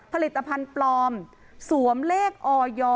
ผลิตภัณฑ์ปลอมสวมเลขออย